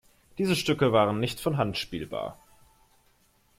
Diese Stücke waren nicht von Hand spielbar.